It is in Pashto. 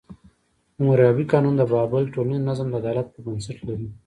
حموربي قانون د بابل ټولنیز نظم د عدالت په بنسټ لري.